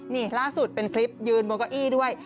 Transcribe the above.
นี่ล่าสุดเป็นคลิปยืนบนเก้าอี้ด้วย